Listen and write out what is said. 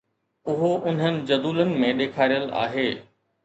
اهو انهن جدولن ۾ ڏيکاريل آهي